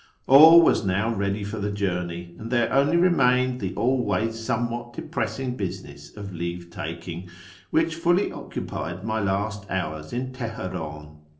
All was now ready for the journey, and there only re mained the always somewhat depressing business of leave taking, which fully occupied my last hours in Tehenin.